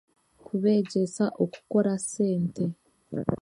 Kubeegyesa okukora sente